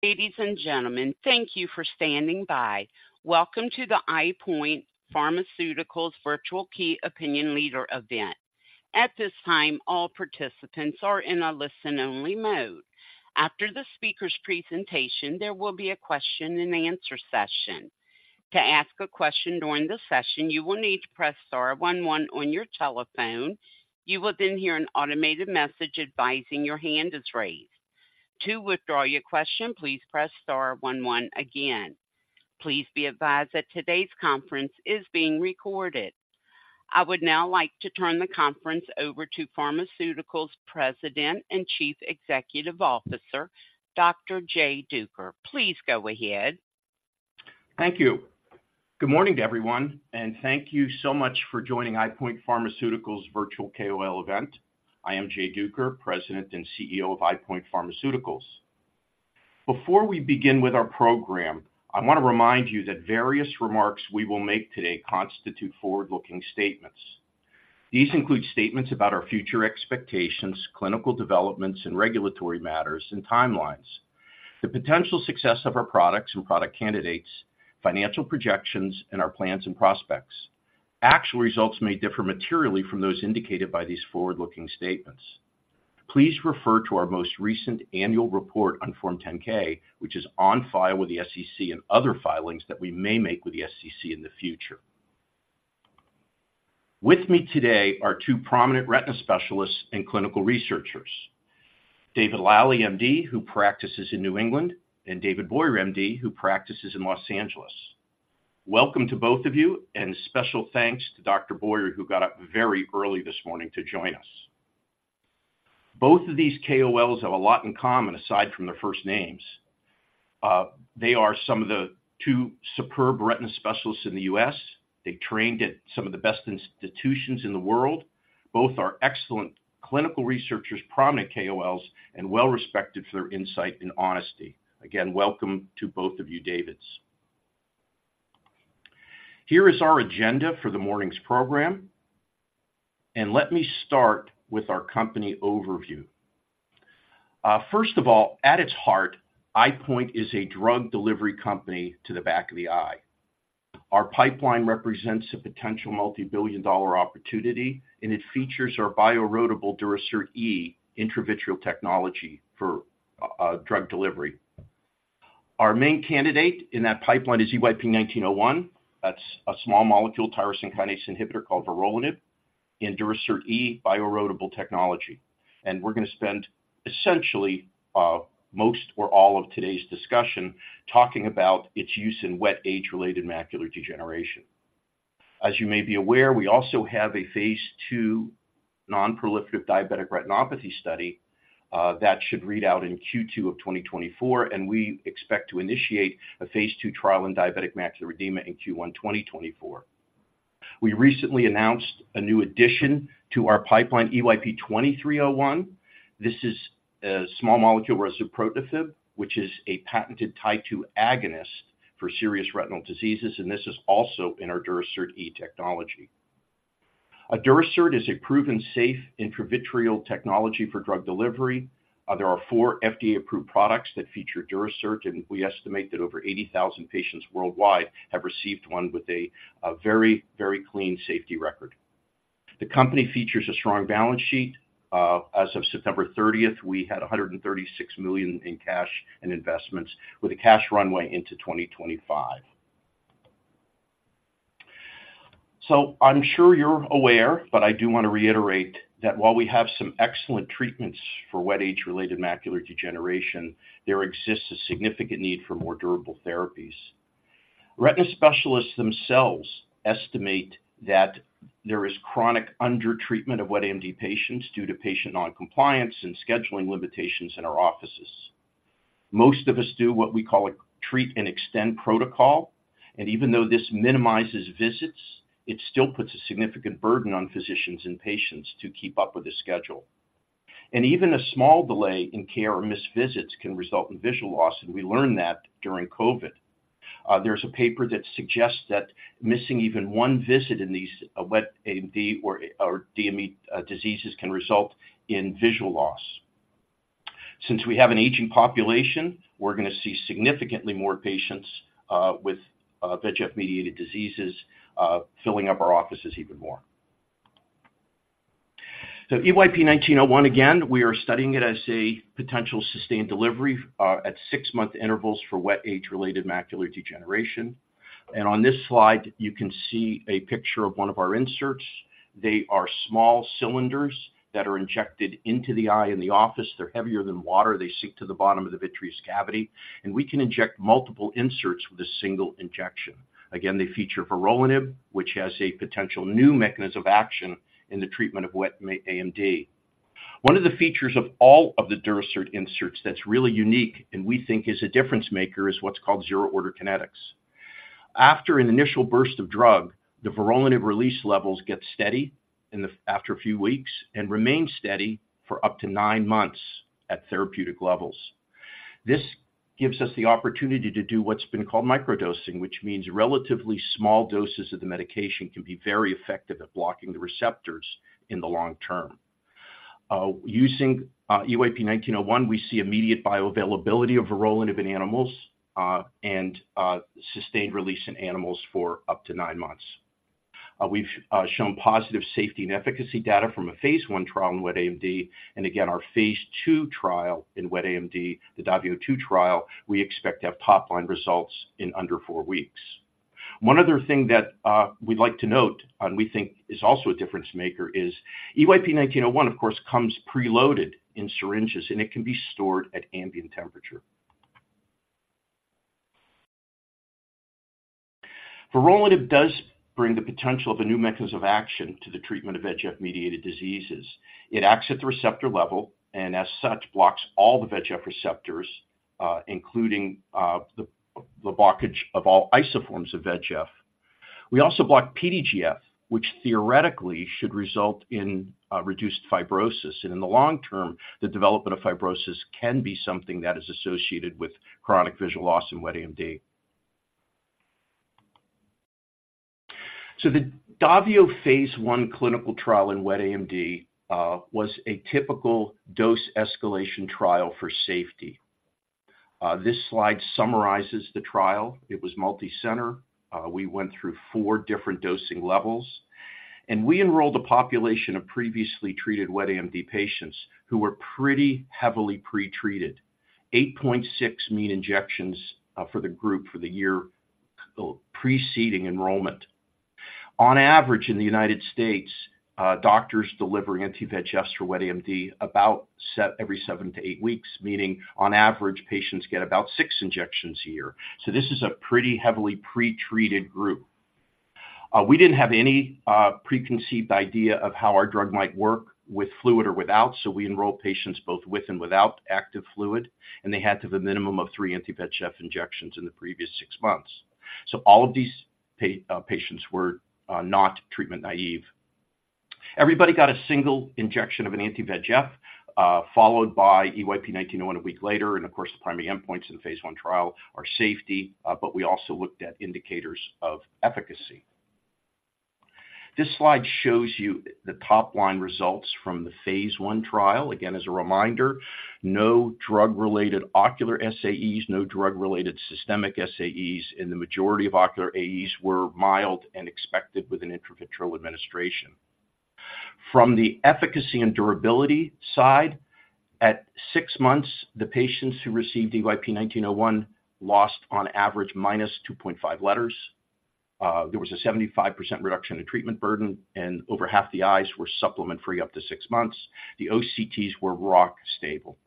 Ladies and gentlemen, thank you for standing by. Welcome to the EyePoint Pharmaceuticals Virtual Key Opinion Leader event. At this time, all participants are in a listen-only mode. After the speaker's presentation, there will be a question-and-answer session. To ask a question during the session, you will need to press star one one on your telephone. You will then hear an automated message advising your hand is raised. To withdraw your question, please press star one one again. Please be advised that today's conference is being recorded. I would now like to turn the conference over to EyePoint Pharmaceuticals' President and Chief Executive Officer, Dr. Jay Duker. Please go ahead. Thank you. Good morning to everyone, and thank you so much for joining EyePoint Pharmaceuticals Virtual KOL event. I am Jay Duker, President and CEO of EyePoint Pharmaceuticals. Before we begin with our program, I want to remind you that various remarks we will make today constitute forward-looking statements. These include statements about our future expectations, clinical developments and regulatory matters and timelines, the potential success of our products and product candidates, financial projections, and our plans and prospects. Actual results may differ materially from those indicated by these forward-looking statements. Please refer to our most recent annual report on Form 10-K, which is on file with the SEC, and other filings that we may make with the SEC in the future. With me today are two prominent retina specialists and clinical researchers, David Lally, MD, who practices in New England, and David Boyer, MD, who practices in Los Angeles. Welcome to both of you, and special thanks to Dr. Boyer, who got up very early this morning to join us. Both of these KOLs have a lot in common, aside from their first names. They are some of the two superb retina specialists in the U.S. They trained at some of the best institutions in the world. Both are excellent clinical researchers, prominent KOLs, and well-respected for their insight and honesty. Again, welcome to both of you, Davids. Here is our agenda for the morning's program, and let me start with our company overview. First of all, at its heart, EyePoint is a drug delivery company to the back of the eye. Our pipeline represents a potential multibillion-dollar opportunity, and it features our bio-erodible Durasert E™ intravitreal technology for drug delivery. Our main candidate in that pipeline is EYP-1901. That's a small molecule tyrosine kinase inhibitor called vorolanib in Durasert E™ bioerodible technology. And we're going to spend essentially most or all of today's discussion talking about its use in wet age-related macular degeneration. As you may be aware, we also have a phase II non-proliferative diabetic retinopathy study that should read out in Q2 of 2024, and we expect to initiate a phase II trial in diabetic macular edema in Q1 2024. We recently announced a new addition to our pipeline, EYP-2301. This is a small molecule razuprotafib, which is a patened Tie-2 agonist for serious retinal diseases, and this is also in our Durasert E™ technology. Durasert is a proven safe intravitreal technology for drug delivery. There are four FDA-approved products that feature Durasert, and we estimate that over 80,000 patients worldwide have received one with a very, very clean safety record. The company features a strong balance sheet. As of September 30, we had $136 million in cash and investments, with a cash runway into 2025. So I'm sure you're aware, but I do want to reiterate that while we have some excellent treatments for wet age-related macular degeneration, there exists a significant need for more durable therapies. Retina specialists themselves estimate that there is chronic undertreatment of wet AMD patients due to patient noncompliance and scheduling limitations in our offices. Most of us do what we call a treat-and-extend protocol, and even though this minimizes visits, it still puts a significant burden on physicians and patients to keep up with the schedule. Even a small delay in care or missed visits can result in visual loss, and we learned that during COVID. There's a paper that suggests that missing even one visit in these wet AMD or DME diseases can result in visual loss. Since we have an aging population, we're going to see significantly more patients with VEGF-mediated diseases filling up our offices even more. EYP-1901, again, we are studying it as a potential sustained delivery at six-month intervals for wet age-related macular degeneration. On this slide, you can see a picture of one of our inserts. They are small cylinders that are injected into the eye in the office. They're heavier than water. They sink to the bottom of the vitreous cavity, and we can inject multiple inserts with a single injection. Again, they feature vorolanib, which has a potential new mechanism of action in the treatment of wet AMD. One of the features of all of the Durasert inserts that's really unique, and we think is a difference maker, is what's called zero-order kinetics. After an initial burst of drug, the vorolanib release levels get steady after a few weeks and remain steady for up to nine months at therapeutic levels. This gives us the opportunity to do what's been called microdosing, which means relatively small doses of the medication can be very effective at blocking the receptors in the long term. Using EYP-1901, we see immediate bioavailability as well in vivo in animals, and sustained release in animals for up to nine months. We've shown positive safety and efficacy data from a phase I trial in wet AMD, and again, our phase II trial in wet AMD, the DAVIO 2 trial, we expect to have top-line results in under four weeks. One other thing that we'd like to note, and we think is also a difference maker, is EYP-1901, of course, comes preloaded in syringes, and it can be stored at ambient temperature. Vorolanib does bring the potential of a new mechanism of action to the treatment of VEGF-mediated diseases. It acts at the receptor level, and as such, blocks all the VEGF receptors, including the blockage of all isoforms of VEGF. We also block PDGF, which theoretically should result in reduced fibrosis, and in the long term, the development of fibrosis can be something that is associated with chronic visual loss in wet AMD. So the DAVIO phase I clinical trial in wet AMD was a typical dose escalation trial for safety. This slide summarizes the trial. It was multicenter. We went through four different dosing levels, and we enrolled a population of previously treated wet AMD patients who were pretty heavily pretreated. 8.6 mean injections for the group for the year preceding enrollment. On average, in the United States, doctors deliver anti-VEGF for wet AMD about every seven to eight weeks, meaning on average, patients get about six injections a year. So this is a pretty heavily pretreated group. We didn't have any preconceived idea of how our drug might work with fluid or without, so we enrolled patients both with and without active fluid, and they had to have a minimum of 3 anti-VEGF injections in the previous six months. So all of these patients were not treatment naive. Everybody got one injection of an anti-VEGF followed by EYP-1901 a week later, and of course, the primary endpoints in the phase I trial are safety, but we also looked at indicators of efficacy. This slide shows you the top-line results from the phase I trial. Again, as a reminder, no drug-related ocular SAEs, no drug-related systemic SAEs, and the majority of ocular AEs were mild and expected with an intravitreal administration. From the efficacy and durability side, at six months, the patients who received EYP-1901 lost, on average, -2.5 letters. There was a 75% reduction in treatment burden, and over 1/2 the eyes were supplement-free up to six months. The OCTs were rock stable.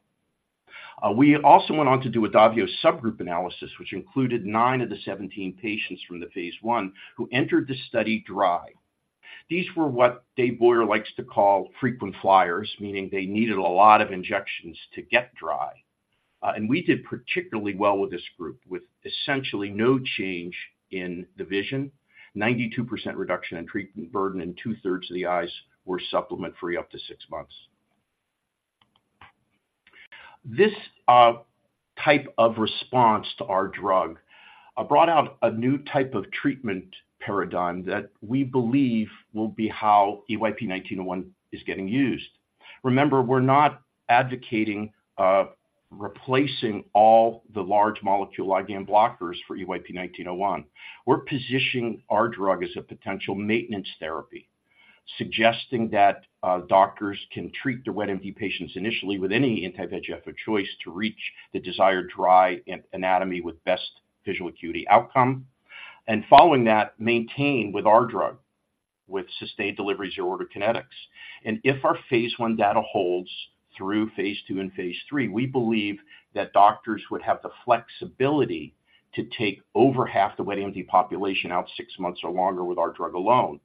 We also went on to do a DAVIO subgroup analysis, which included nine of the 17 patients from the phase I who entered the study dry. These were what Dave Boyer likes to call frequent flyers, meaning they needed a lot of injections to get dry. And we did particularly well with this group, with essentially no change in the vision, 92% reduction in treatment burden, and 2/3 of the eyes were supplement-free up to six months. This type of response to our drug brought out a new type of treatment paradigm that we believe will be how EYP-1901 is getting used. Remember, we're not advocating replacing all the large molecule IgG blockers for EYP-1901. We're positioning our drug as a potential maintenance therapy, suggesting that doctors can treat the wet AMD patients initially with any anti-VEGF of choice to reach the desired dry anatomy with best visual acuity outcome. Following that, maintain with our drug, with sustained delivery zero-order kinetics. If our phase I data holds through phase II and phase III, we believe that doctors would have the flexibility to take over half the wet AMD population out six months or longer with our drug alone.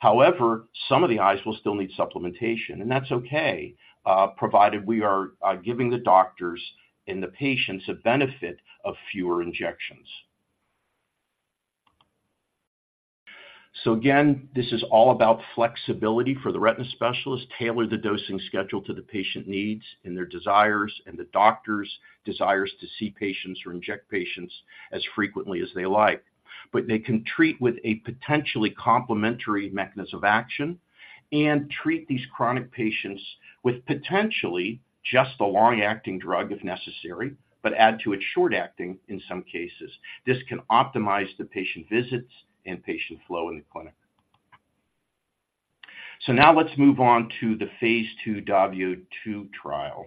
However, some of the eyes will still need supplementation, and that's okay, provided we are giving the doctors and the patients a benefit of fewer injections. So again, this is all about flexibility for the retina specialist, tailor the dosing schedule to the patient needs and their desires, and the doctor's desires to see patients or inject patients as frequently as they like. But they can treat with a potentially complementary mechanism of action and treat these chronic patients with potentially just a long-acting drug, if necessary, but add to it short-acting in some cases. This can optimize the patient visits and patient flow in the clinic. So now let's move on to the phase II DAVIO 2 trial.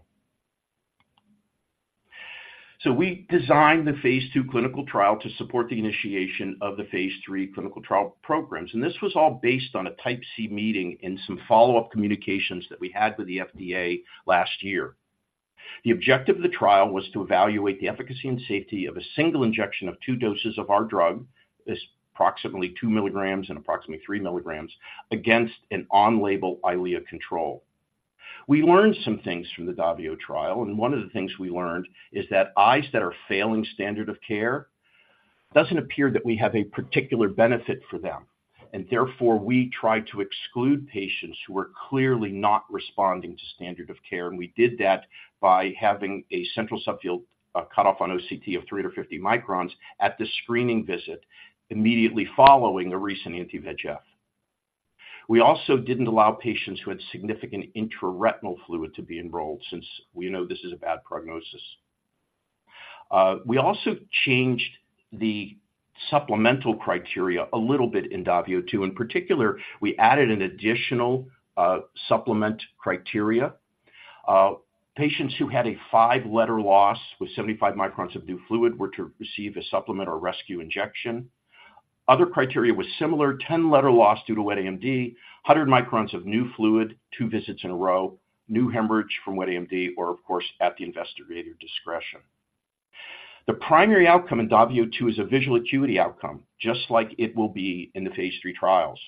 So we designed the phase II clinical trial to support the initiation of the phase III clinical trial programs, and this was all based on a type C meeting and some follow-up communications that we had with the FDA last year. The objective of the trial was to evaluate the efficacy and safety of a single injection of two doses of our drug, approximately 2 mg and approximately 3 mg, against an on-label Eylea control. We learned some things from the DAVIO trial, and one of the things we learned is that eyes that are failing standard of care, doesn't appear that we have a particular benefit for them, and therefore, we try to exclude patients who are clearly not responding to standard of care. We did that by having a central subfield cutoff on OCT of 350 µm at the screening visit, immediately following a recent anti-VEGF. We also didn't allow patients who had significant intraretinal fluid to be enrolled, since we know this is a bad prognosis. We also changed the supplemental criteria a little bit in DAVIO 2. In particular, we added an additional supplement criteria. Patients who had a five-letter loss with 75 µm of new fluid were to receive a supplement or rescue injection. Other criteria was similar, 10-letter loss due to wet AMD, 100 µm of new fluid, two visits in a row, new hemorrhage from wet AMD, or of course, at the investigator discretion. The primary outcome in DAVIO 2 is a visual acuity outcome, just like it will be in the phase III trials.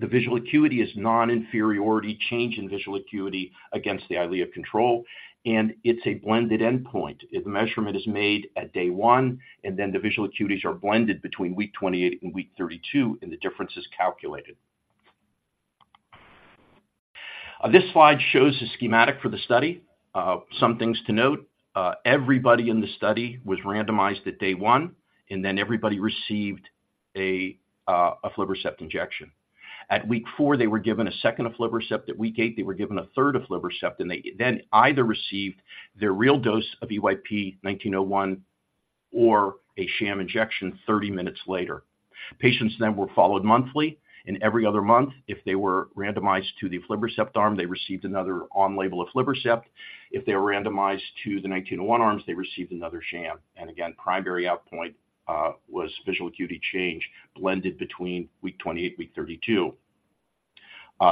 The visual acuity is non-inferiority change in visual acuity against the Eylea control, and it's a blended endpoint. If measurement is made at day one, and then the visual acuities are blended between week 28 and week 32, and the difference is calculated. This slide shows the schematic for the study. Some things to note, everybody in the study was randomized at day one, and then everybody received a, aflibercept injection. At week 4, they were given a second aflibercept. At week eight, they were given a third aflibercept, and they then either received their real dose of EYP-1901 or a sham injection 30 minutes later. Patients then were followed monthly, and every other month, if they were randomized to the aflibercept arm, they received another on-label aflibercept. If they were randomized to the 1901 arms, they received another sham. And again, primary endpoint was visual acuity change blended between week 28 and week 32.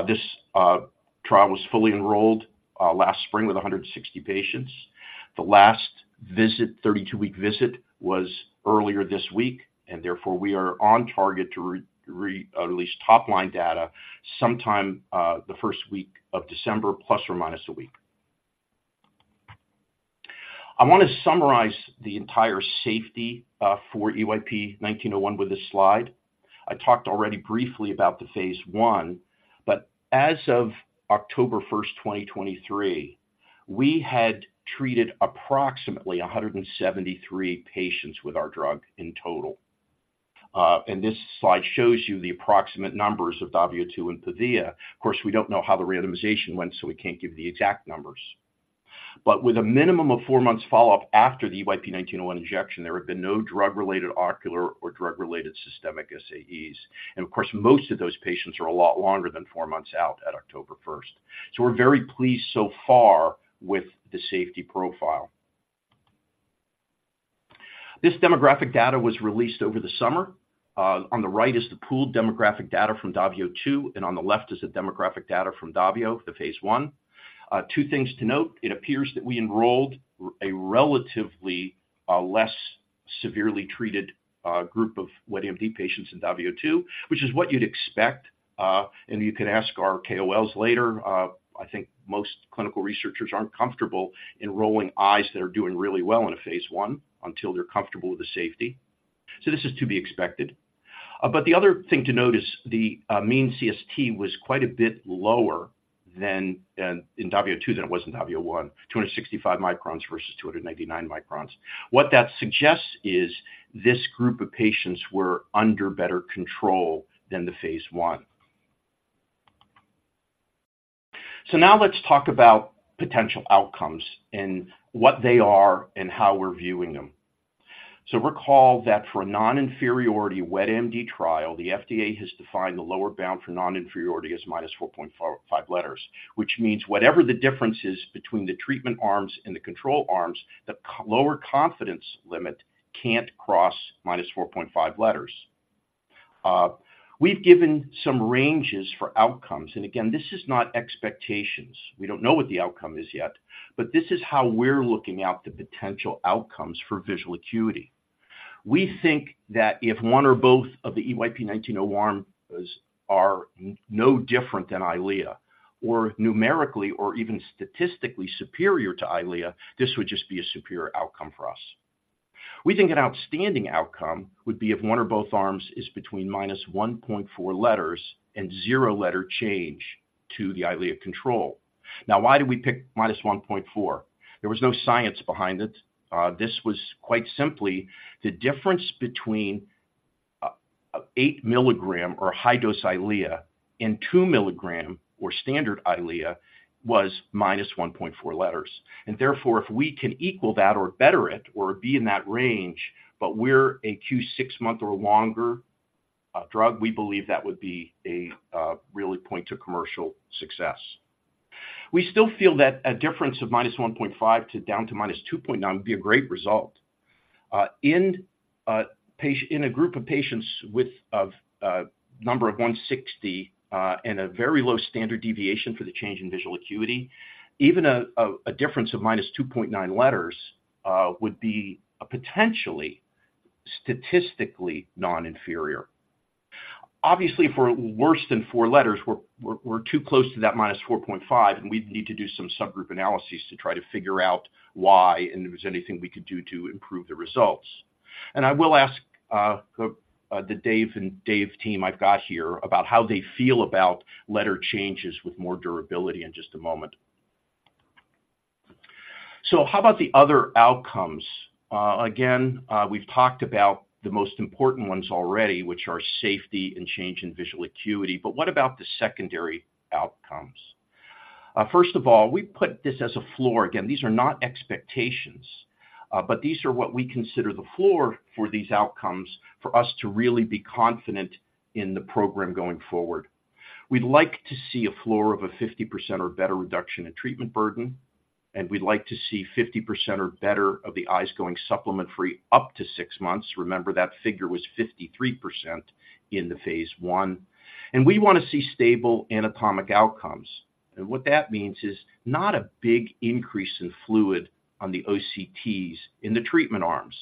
This trial was fully enrolled last spring with 160 patients. The last visit, 32-week visit, was earlier this week, and therefore, we are on target to release top-line data sometime the first week of December, ± a week. I want to summarize the entire safety for EYP-1901 with this slide. I talked already briefly about the phase I, but as of October 1st, 2023, we had treated approximately 173 patients with our drug in total. And this slide shows you the approximate numbers of DAVIO 2 and PAVIA. Of course, we don't know how the randomization went, so we can't give the exact numbers. But with a minimum of four months follow-up after the EYP-1901 injection, there have been no drug-related ocular or drug-related systemic SAEs. And of course, most of those patients are a lot longer than four months out at October 1st. So we're very pleased so far with the safety profile. This demographic data was released over the summer. On the right is the pooled demographic data from DAVIO 2, and on the left is the demographic data from DAVIO, the phase I. Two things to note, it appears that we enrolled a relatively less severely treated group of wet AMD patients in DAVIO 2, which is what you'd expect. And you can ask our KOLs later, I think most clinical researchers aren't comfortable enrolling eyes that are doing really well in a phase I until they're comfortable with the safety. So this is to be expected. But the other thing to note is the mean CST was quite a bit lower than in DAVIO 2 than it was in DAVIO 1, 265 µm versus 299 µm. What that suggests is this group of patients were under better control than the phase I. So now let's talk about potential outcomes and what they are and how we're viewing them. So recall that for a non-inferiority wet AMD trial, the FDA has defined the lower bound for non-inferiority as minus 4.45 letters. Which means whatever the difference is between the treatment arms and the control arms, the lower confidence limit can't cross -4.5 letters. We've given some ranges for outcomes, and again, this is not expectations. We don't know what the outcome is yet, but this is how we're looking at the potential outcomes for visual acuity. We think that if one or both of the EYP-1901 arms are no different than Eylea or numerically or even statistically superior to Eylea, this would just be a superior outcome for us. We think an outstanding outcome would be if one or both arms is between -1.4 letters and zero letter change to the Eylea control. Now, why did we pick -1.4? There was no science behind it. This was quite simply the difference between 8 mg or high-dose Eylea and 2 mg or standard Eylea was -1.4 letters. Therefore, if we can equal that or better it or be in that range, but we're a Q six-month or longer drug, we believe that would be a really point to commercial success. We still feel that a difference of -1.5 to down to -2.9 would be a great result. In a patient in a group of patients with of a number of 160 and a very low standard deviation for the change in visual acuity, even a difference of -2.9 letters would be a potentially statistically non-inferior. Obviously, if we're worse than four letters, we're too close to that -4.5, and we'd need to do some subgroup analyses to try to figure out why and if there's anything we could do to improve the results. And I will ask, the Dave and Dave team I've got here about how they feel about letter changes with more durability in just a moment. So how about the other outcomes? Again, we've talked about the most important ones already, which are safety and change in visual acuity, but what about the secondary outcomes? First of all, we put this as a floor. Again, these are not expectations, but these are what we consider the floor for these outcomes for us to really be confident in the program going forward. We'd like to see a floor of a 50% or better reduction in treatment burden, and we'd like to see 50% or better of the eyes going supplement-free up to six months. Remember, that figure was 53% in the phase I. And we want to see stable anatomic outcomes. What that means is not a big increase in fluid on the OCTs in the treatment arms.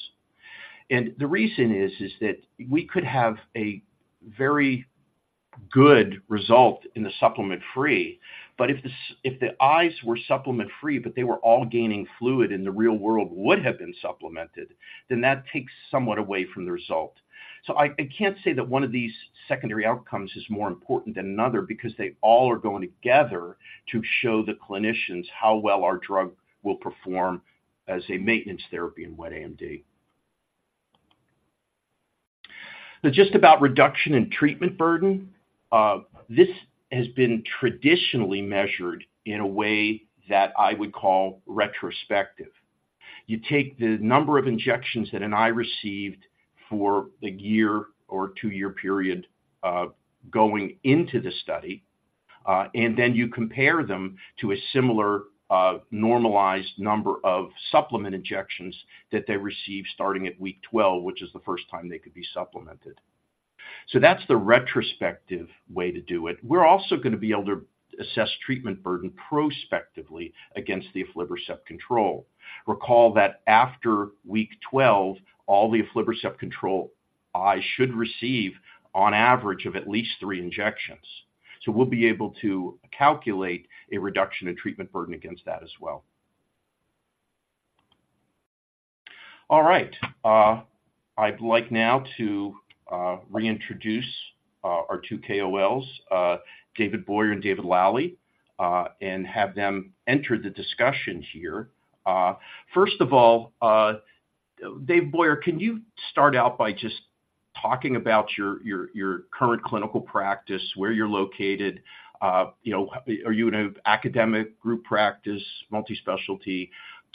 The reason is that we could have a very good result in the supplement-free, but if the eyes were supplement-free, but they were all gaining fluid in the real world would have been supplemented, then that takes somewhat away from the result. So I can't say that one of these secondary outcomes is more important than another because they all are going together to show the clinicians how well our drug will perform as a maintenance therapy in wet AMD. Now, just about reduction in treatment burden, this has been traditionally measured in a way that I would call retrospective. You take the number of injections that an eye received for the year or two-year period, going into the study, and then you compare them to a similar, normalized number of supplement injections that they received starting at week 12, which is the first time they could be supplemented. So that's the retrospective way to do it. We're also going to be able to assess treatment burden prospectively against the aflibercept control. Recall that after week 12, all the aflibercept control eyes should receive on average of at least three injections. So we'll be able to calculate a reduction in treatment burden against that as well. All right. I'd like now to reintroduce our two KOLs, David Boyer and David Lally, and have them enter the discussion here. First of all, Dave Boyer, can you start out by just talking about your current clinical practice, where you're located? You know, are you in a academic group practice, multi-specialty?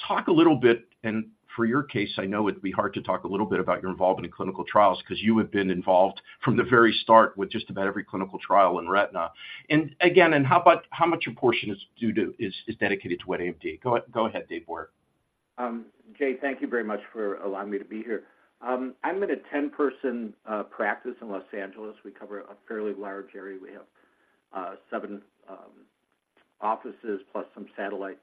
Talk a little bit, and for your case, I know it'd be hard to talk a little bit about your involvement in clinical trials, because you have been involved from the very start with just about every clinical trial in retina. And again, how about how much of your portion is dedicated to wet AMD? Go ahead, Dave Boyer. Jay, thank you very much for allowing me to be here. I'm in a 10-person practice in Los Angeles. We cover a fairly large area. We have seven offices plus some satellites,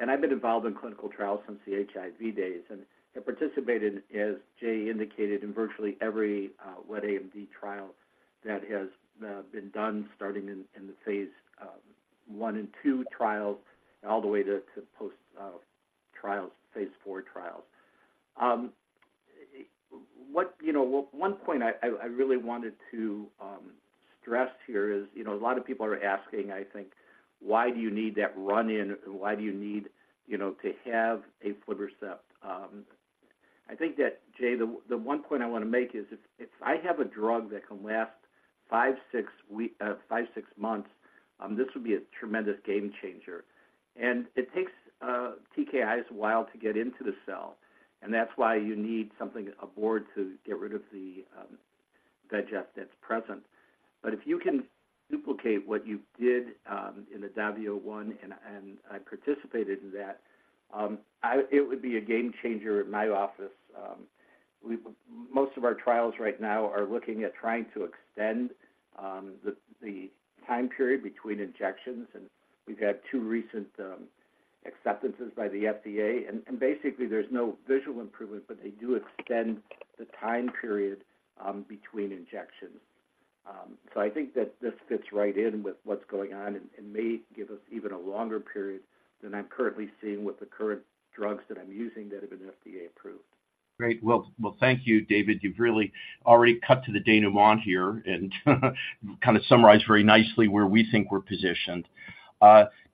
and I've been involved in clinical trials since the HIV days and have participated, as Jay indicated, in virtually every wet AMD trial that has been done starting in phase I and II trials, all the way to post trials, phase IV trials. You know, one point I really wanted to stress here is, you know, a lot of people are asking, I think, why do you need that run-in? Why do you need, you know, to have aflibercept? I think that, Jay, the one point I want to make is, if I have a drug that can last five months-six months, this would be a tremendous game changer. And it takes TKIs a while to get into the cell, and that's why you need something aboard to get rid of the VEGF that's present. But if you can duplicate what you did in the DAVIO 1, and I participated in that, it would be a game changer in my office. We have most of our trials right now are looking at trying to extend the time period between injections, and we've had two recent acceptances by the FDA, and basically, there's no visual improvement, but they do extend the time period between injections. So I think that this fits right in with what's going on and may give us even a longer period than I'm currently seeing with the current drugs that I'm using that have been FDA approved. Great. Well, well, thank you, David. You've really already cut to the denouement here and kind of summarized very nicely where we think we're positioned.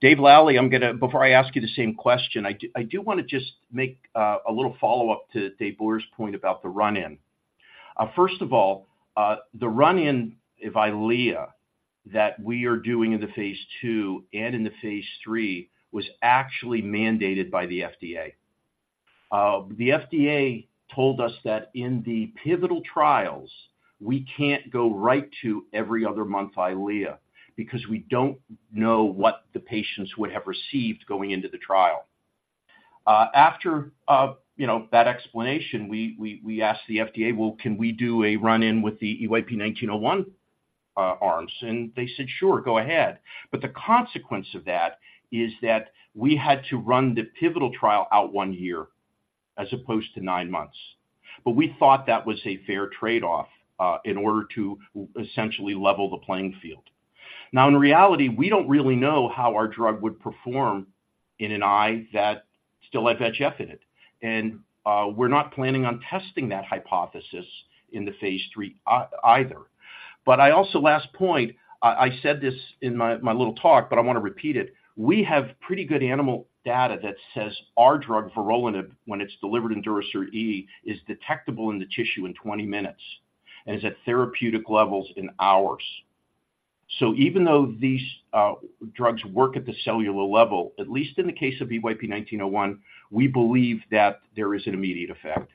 Dave Lally, I'm gonna before I ask you the same question, I do, I do want to just make a little follow-up to Dave Boyer's point about the run-in. First of all, the run-in of Eylea that we are doing in the phase II and in the phase III was actually mandated by the FDA. The FDA told us that in the pivotal trials, we can't go right to every other month Eylea, because we don't know what the patients would have received going into the trial. After you know that explanation, we asked the FDA, "Well, can we do a run-in with the EYP-1901 arms?" And they said, "Sure, go ahead." But the consequence of that is that we had to run the pivotal trial out one year as opposed to nine months. But we thought that was a fair trade-off in order to essentially level the playing field. Now, in reality, we don't really know how our drug would perform in an eye that still had VEGF in it, and we're not planning on testing that hypothesis in the phase III either. But I also, last point, I said this in my little talk, but I want to repeat it: We have pretty good animal data that says our drug, vorolanib, when it's delivered in Durasert E™, is detectable in the tissue in 20 minutes. and is at therapeutic levels in hours. So even though these, drugs work at the cellular level, at least in the case of EYP-1901, we believe that there is an immediate effect.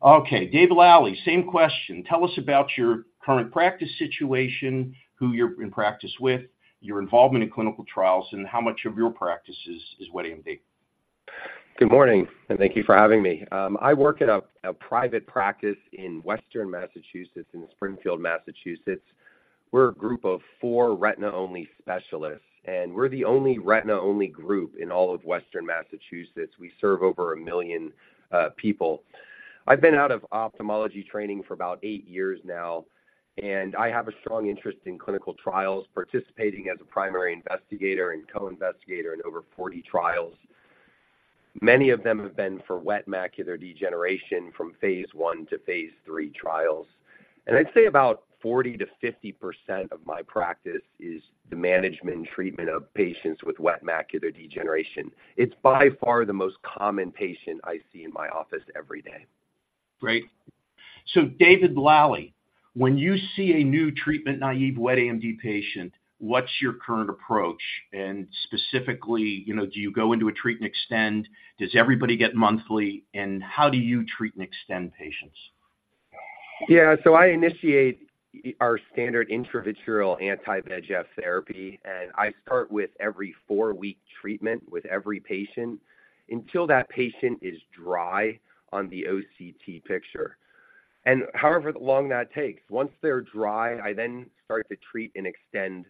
Okay, Dave Lally, same question. Tell us about your current practice situation, who you're in practice with, your involvement in clinical trials, and how much of your practices is wet AMD. Good morning, and thank you for having me. I work at a private practice in Western Massachusetts, in Springfield, Massachusetts. We're a group of four retina-only specialists, and we're the only retina-only group in all of Western Massachusetts. We serve over 1 million people. I've been out of ophthalmology training for about eight years now, and I have a strong interest in clinical trials, participating as a primary investigator and co-investigator in over 40 trials. Many of them have been for wet macular degeneration from phase I to phase III trials. I'd say about 40%-50% of my practice is the management and treatment of patients with wet macular degeneration. It's by far the most common patient I see in my office every day. Great. So David Lally, when you see a new treatment, naive wet AMD patient, what's your current approach? And specifically, you know, do you go into a treat and extend? Does everybody get monthly, and how do you treat and extend patients? Yeah. So I initiate our standard intravitreal anti-VEGF therapy, and I start with every four-week treatment with every patient until that patient is dry on the OCT picture. And however long that takes, once they're dry, I then start the treat and extend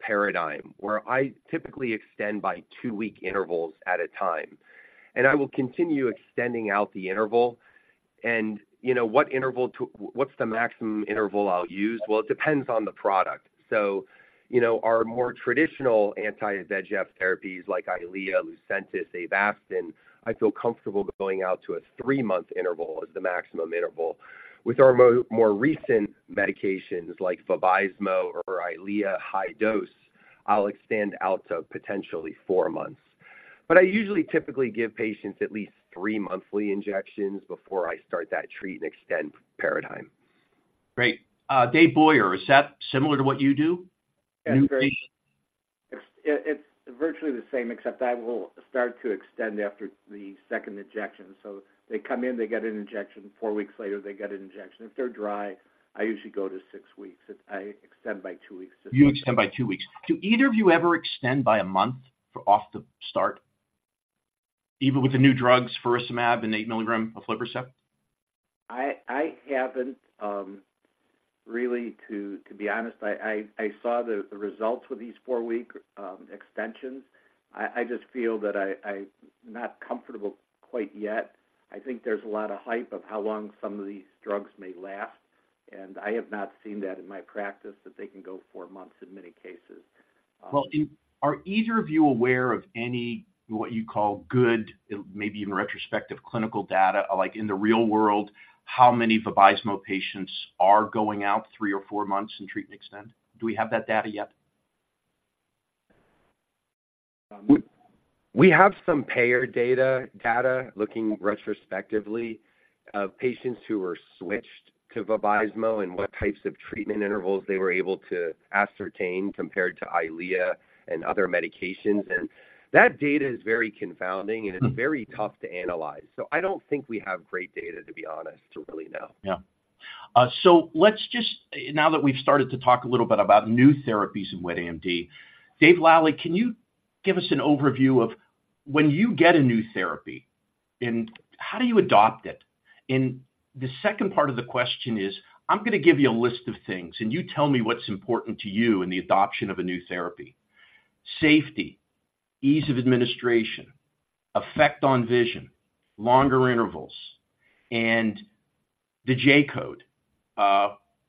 paradigm, where I typically extend by two-week intervals at a time. And I will continue extending out the interval, and, you know, what's the maximum interval I'll use? Well, it depends on the product. So, you know, our more traditional anti-VEGF therapies, like Eylea, Lucentis, Avastin, I feel comfortable going out to a three-month interval as the maximum interval. With our more recent medications, like Vabysmo or Eylea high dose, I'll extend out to potentially four months. But I usually typically give patients at least three monthly injections before I start that treat and extend paradigm. Great. Dave Boyer, is that similar to what you do? Yeah, it's virtually the same, except I will start to extend after the second injection. So they come in, they get an injection. Four weeks later, they get an injection. If they're dry, I usually go to six weeks, and I extend by two weeks. You extend by two weeks. Do either of you ever extend by a month from the start, even with the new drugs, faricimab and 8 mg of aflibercept? I haven't really, to be honest. I saw the results with these four-week extensions. I just feel that I'm not comfortable quite yet. I think there's a lot of hype of how long some of these drugs may last, and I have not seen that in my practice, that they can go four months in many cases. Well, are either of you aware of any, what you call, good, maybe even retrospective clinical data? Like, in the real world, how many Vabysmo patients are going out three or four months in treat and extend? Do we have that data yet? We have some payer data looking retrospectively of patients who were switched to Vabysmo and what types of treatment intervals they were able to ascertain compared to Eylea and other medications. And that data is very confounding, and it's very tough to analyze. So I don't think we have great data, to be honest, to really know. Yeah. So let's just... Now that we've started to talk a little bit about new therapies in wet AMD, Dave Lally, can you give us an overview of when you get a new therapy, and how do you adopt it? And the second part of the question is, I'm gonna give you a list of things, and you tell me what's important to you in the adoption of a new therapy: safety, ease of administration, effect on vision, longer intervals, and the J-code.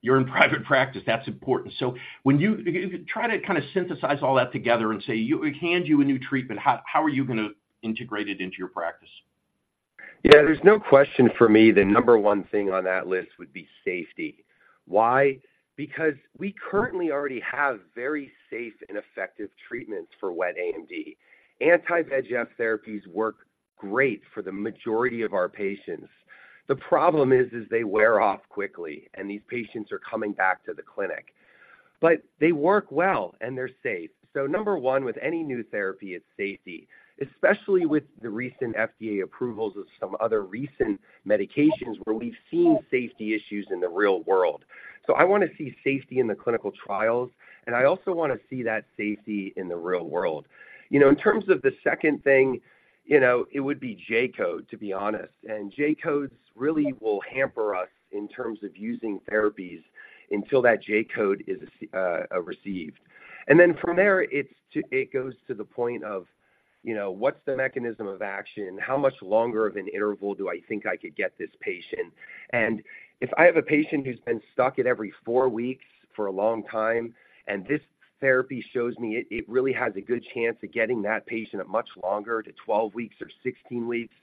You're in private practice, that's important. So when you try to kind of synthesize all that together and say, we hand you a new treatment, how are you gonna integrate it into your practice? Yeah, there's no question for me, the number one thing on that list would be safety. Why? Because we currently already have very safe and effective treatments for wet AMD. Anti-VEGF therapies work great for the majority of our patients. The problem is, they wear off quickly, and these patients are coming back to the clinic. But they work well, and they're safe. So number one, with any new therapy, it's safety, especially with the recent FDA approvals of some other recent medications, where we've seen safety issues in the real world. So I wanna see safety in the clinical trials, and I also wanna see that safety in the real world. You know, in terms of the second thing, you know, it would be J-code, to be honest, and J-codes really will hamper us in terms of using therapies until that J-code is received. And then from there, it goes to the point of, you know, what's the mechanism of action? How much longer of an interval do I think I could get this patient? And if I have a patient who's been stuck at every four weeks for a long time, and this therapy shows me it really has a good chance of getting that patient a much longer to 12 weeks or 16 weeks,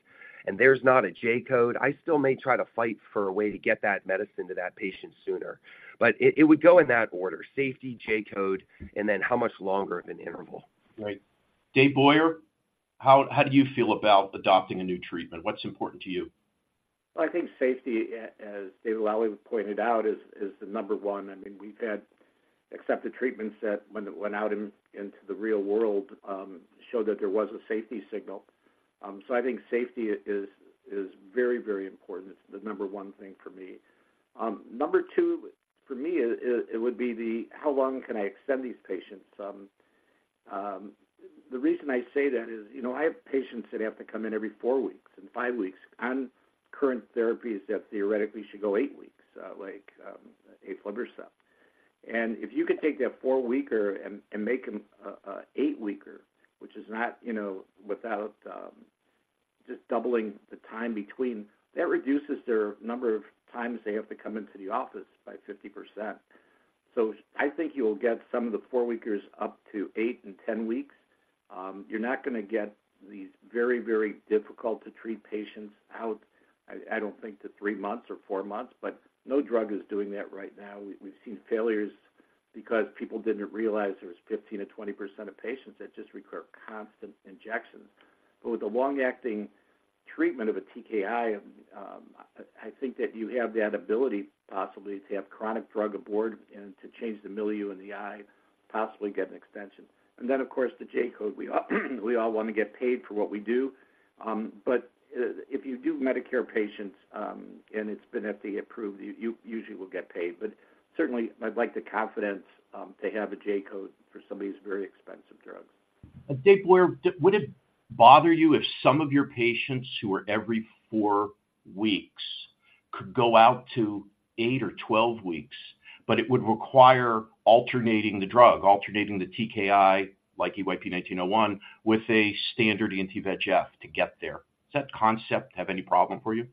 and there's not a J-code, I still may try to fight for a way to get that medicine to that patient sooner. But it would go in that order: safety, J-code, and then how much longer of an interval. Right. Dave Boyer? How do you feel about adopting a new treatment? What's important to you? Well, I think safety, as Dave Lally pointed out, is, is the number one. I mean, we've had accepted treatments that when, went out in, into the real world, showed that there was a safety signal. So I think safety is, is very, very important. It's the number one thing for me. Number two, for me, it, it would be the, how long can I extend these patients? The reason I say that is, you know, I have patients that have to come in every four weeks and five weeks on current therapies that theoretically should go eight weeks, like, aflibercept. And if you can take that four-weeker and make them an eight-weeker, which is not, you know, without just doubling the time between, that reduces their number of times they have to come into the office by 50%. So I think you'll get some of the four-weekers up to eight and 10 weeks. You're not gonna get these very, very difficult to treat patients out. I don't think to three months or four months, but no drug is doing that right now. We've seen failures because people didn't realize there was 15%-20% of patients that just require constant injections. But with the long-acting treatment of a TKI, I think that you have that ability possibly to have chronic drug aboard and to change the milieu in the eye, possibly get an extension. Then, of course, the J-code, we all want to get paid for what we do. But if you do Medicare patients, and it's been FDA approved, you usually will get paid. But certainly, I'd like the confidence to have a J-code for somebody's very expensive drugs. Dave Boyer, would it bother you if some of your patients who are every four weeks could go out to eight or 12 weeks, but it would require alternating the drug, alternating the TKI, like EYP-1901, with a standard anti-VEGF to get there? Does that concept have any problem for you?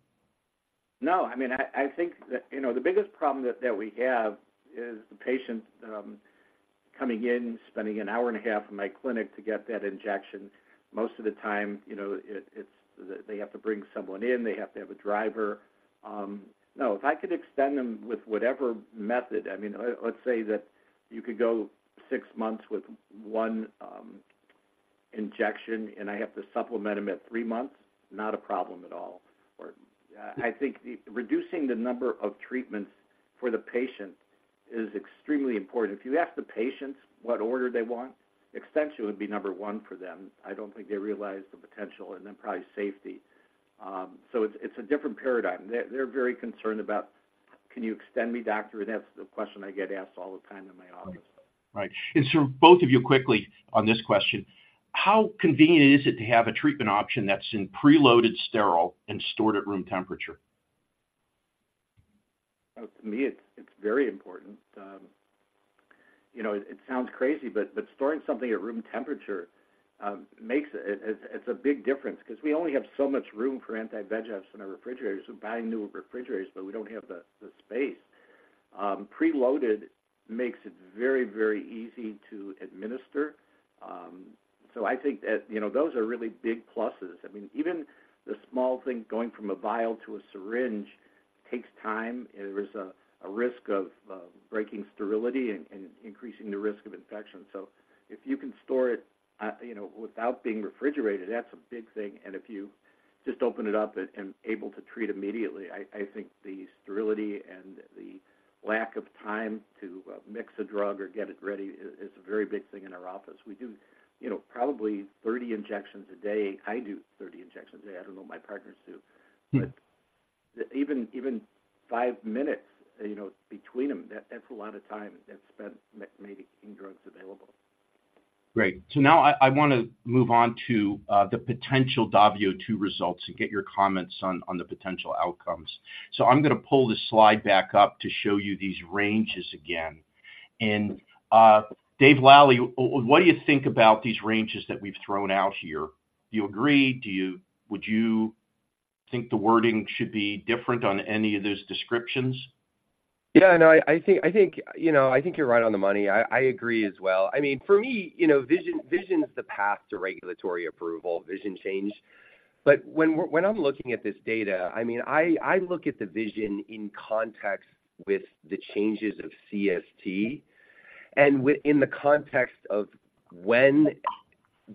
No. I mean, I think that, you know, the biggest problem that we have is the patients coming in, spending an hour and a half in my clinic to get that injection. Most of the time, you know, they have to bring someone in. They have to have a driver. No, if I could extend them with whatever method, I mean, let's say that you could go six months with 1 injection, and I have to supplement them at three months, not a problem at all. Or I think reducing the number of treatments for the patient is extremely important. If you ask the patients what order they want, extension would be number one for them. I don't think they realize the potential and then probably safety. So it's a different paradigm. They're very concerned about, "Can you extend me, doctor?" That's the question I get asked all the time in my office. Right. And so both of you quickly on this question, how convenient is it to have a treatment option that's in preloaded, sterile, and stored at room temperature? To me, it's very important. You know, it sounds crazy, but storing something at room temperature makes it... It's a big difference because we only have so much room for anti-VEGFs in our refrigerators. We're buying new refrigerators, but we don't have the space. Preloaded makes it very, very easy to administer. So I think that, you know, those are really big pluses. I mean, even the small thing, going from a vial to a syringe takes time, and there is a risk of breaking sterility and increasing the risk of infection. So if you can store it, you know, without being refrigerated, that's a big thing. If you just open it up and able to treat immediately, I think the sterility and the lack of time to mix a drug or get it ready is a very big thing in our office. We do, you know, probably 30 injections a day. I do 30 injections a day. I don't know what my partners do. Mm. But even five minutes, you know, between them, that's a lot of time that's spent making drugs available. Great. So now I want to move on to the potential DAVIO 2 results and get your comments on the potential outcomes. So I'm gonna pull this slide back up to show you these ranges again. And Dave Lally, what do you think about these ranges that we've thrown out here? Do you agree? Would you think the wording should be different on any of those descriptions? Yeah, no, I think, I think, you know, I think you're right on the money. I, I agree as well. I mean, for me, you know, vision, vision is the path to regulatory approval, vision change. But when I'm looking at this data, I mean, I look at the vision in context with the changes in CST and within the context of when,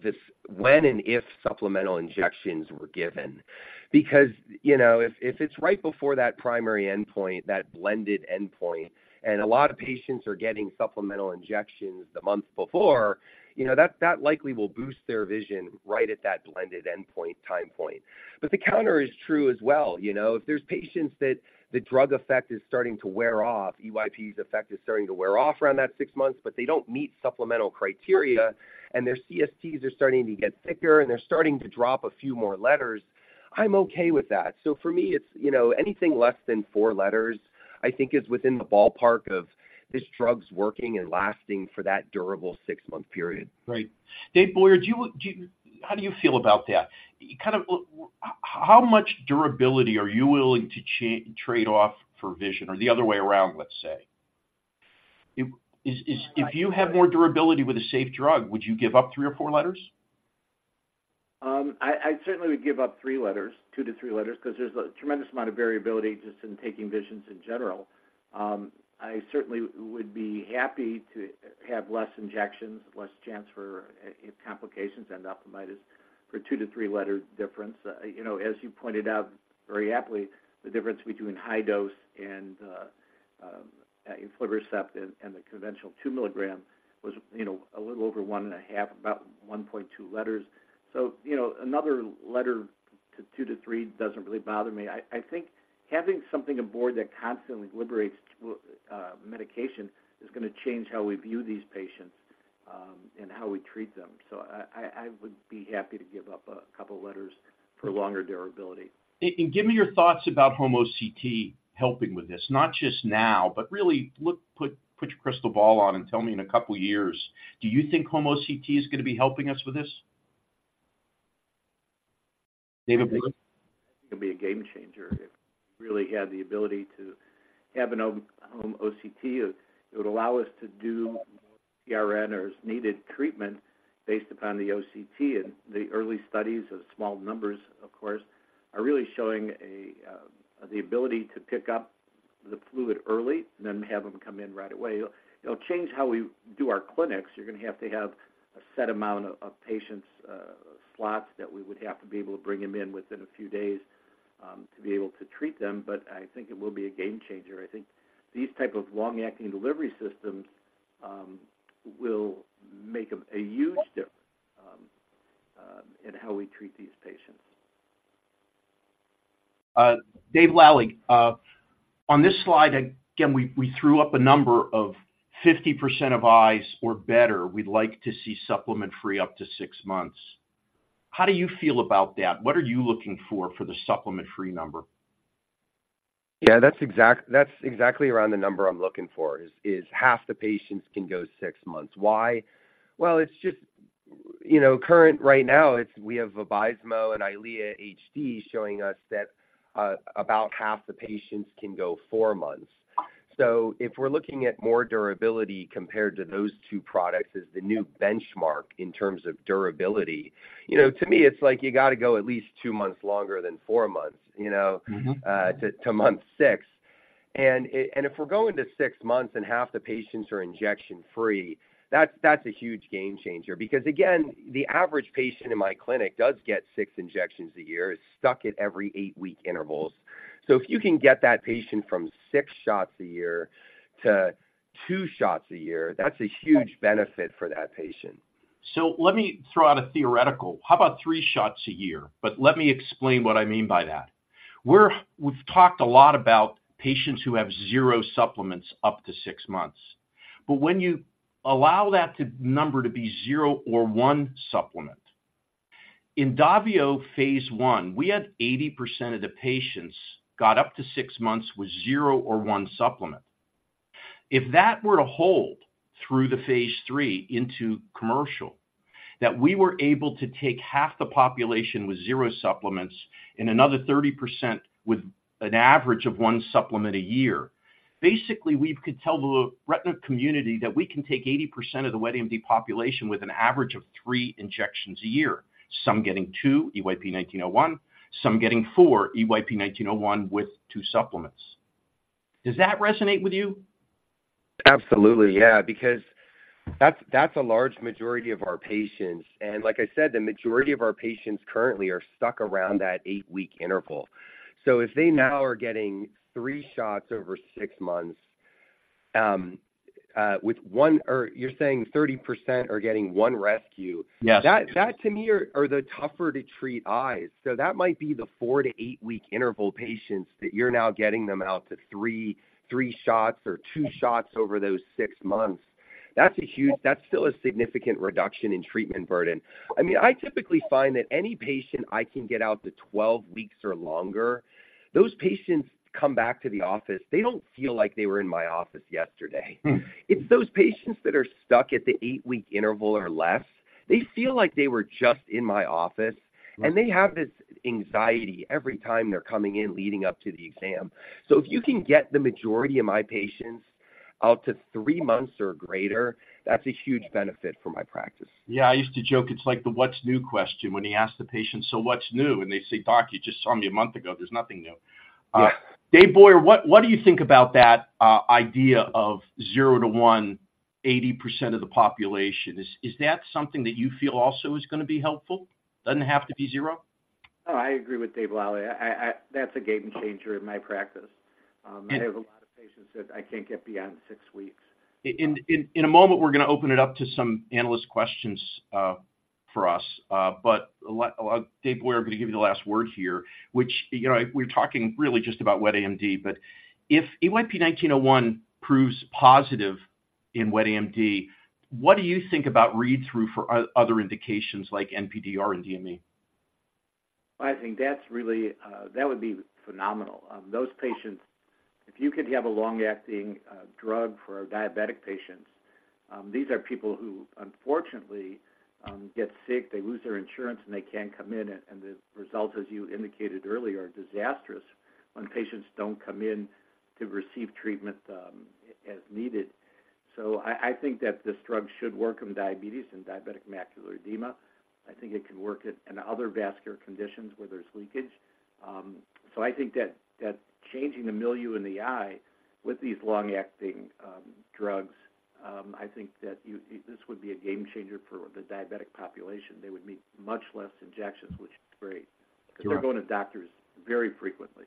and if supplemental injections were given. Because, you know, if, if it's right before that primary endpoint, that blended endpoint, and a lot of patients are getting supplemental injections the month before, you know, that, that likely will boost their vision right at that blended endpoint, time point. But the counter is true as well, you know. If there's patients that the drug effect is starting to wear off, EYP's effect is starting to wear off around that six months, but they don't meet supplemental criteria, and their CSTs are starting to get thicker, and they're starting to drop a few more letters, I'm okay with that. So for me, it's, you know, anything less than four letters, I think is within the ballpark of this drug's working and lasting for that durable six-month period. Right. Dave Boyer, how do you feel about that? Kind of how much durability are you willing to trade off for vision or the other way around, let's say? If you have more durability with a safe drug, would you give up three or four letters?... I certainly would give up three letters, two-three letters, because there's a tremendous amount of variability just in taking visions in general. I certainly would be happy to have less injections, less chance for complications, endophthalmitis, for two-three letters difference. You know, as you pointed out very aptly, the difference between high dose and aflibercept and the conventional 2 mg was, you know, a little over 1.5, about 1.2 letters. So, you know, another letter to two-three doesn't really bother me. I think having something aboard that constantly liberates medication is gonna change how we view these patients and how we treat them. So I would be happy to give up a couple letters for longer durability. And, give me your thoughts about Home OCT helping with this. Not just now, but really put your crystal ball on and tell me in a couple of years, do you think Home OCT is gonna be helping us with this? David Boyer? It'll be a game changer if we really had the ability to have a Home OCT. It would allow us to do PRN or as-needed treatment based upon the OCT. The early studies of small numbers, of course, are really showing the ability to pick up the fluid early and then have them come in right away. It'll change how we do our clinics. You're gonna have to have a set amount of patients slots that we would have to be able to bring them in within a few days to be able to treat them, but I think it will be a game changer. I think these type of long-acting delivery systems will make a huge difference in how we treat these patients. David Lally, on this slide, again, we threw up a number of 50% of eyes or better, we'd like to see supplement-free up to six months. How do you feel about that? What are you looking for, for the supplement-free number? Yeah, that's exactly around the number I'm looking for, is half the patients can go six months. Why? Well, it's just, you know, current right now, it's we have Vabysmo and Eylea HD showing us that about half the patients can go four months. So if we're looking at more durability compared to those two products as the new benchmark in terms of durability, you know, to me, it's like you got to go at least two months longer than four months, you know- Mm-hmm. To month six. And if we're going to six months, and half the patients are injection-free, that's a huge game changer. Because, again, the average patient in my clinic does get 6 injections a year, is stuck at every eight-week intervals. So if you can get that patient from six shots a year to two shots a year, that's a huge benefit for that patient. So let me throw out a theoretical. How about three shots a year? But let me explain what I mean by that. We've talked a lot about patients who have zero supplements up to six months, but when you allow that number to be zero or one supplement, in DAVIO phase I, we had 80% of the patients got up to six months with zero or one supplement. If that were to hold through the phase III into commercial, that we were able to take half the population withzero supplements and another 30% with an average of one supplement a year, basically, we could tell the retina community that we can take 80% of the wet AMD population with an average of three injections a year. Some getting two, EYP-1901, some getting four, EYP-1901 with two supplements. Does that resonate with you? Absolutely, yeah, because that's a large majority of our patients. And like I said, the majority of our patients currently are stuck around that 8-week interval. So if they now are getting three shots over six months with one... Or you're saying 30% are getting one rescue- Yes. That, to me, are the tougher to treat eyes. So that might be the four-eight week interval patients that you're now getting them out to three, three shots or two shots over those six months. That's a huge - that's still a significant reduction in treatment burden. I mean, I typically find that any patient I can get out to 12 weeks or longer, those patients come back to the office, they don't feel like they were in my office yesterday. Mm. It's those patients that are stuck at the eight-week interval or less, they feel like they were just in my office, and they have this anxiety every time they're coming in, leading up to the exam. So if you can get the majority of my patients out to three months or greater, that's a huge benefit for my practice. Yeah, I used to joke: it's like the what's new question when he asked the patient, "So what's new?" And they say, "Doc, you just saw me a month ago. There's nothing new. Yeah. Dave Boyer, what do you think about that idea of zero or one, 80% of the population? Is that something that you feel also is gonna be helpful? Doesn't have to be zero. Oh, I agree with Dave Lally. I, that's a game changer in my practice. I have a lot of patients that I can't get beyond six weeks. In a moment, we're gonna open it up to some analyst questions for us. But Dave Boyer, I'm gonna give you the last word here, which, you know, we're talking really just about wet AMD, but if EYP-1901 proves positive in wet AMD, what do you think about read-through for other indications like NPDR and DME? I think that's really... That would be phenomenal. Those patients, if you could have a long-acting drug for our diabetic patients, these are people who, unfortunately, get sick, they lose their insurance, and they can't come in, and the results, as you indicated earlier, are disastrous when patients don't come in to receive treatment, as needed... So I think that this drug should work in diabetes and diabetic macular edema. I think it can work in other vascular conditions where there's leakage. So I think that changing the milieu in the eye with these long-acting drugs, I think that this would be a game changer for the diabetic population. They would need much less injections, which is great. Sure. Because they're going to doctors very frequently,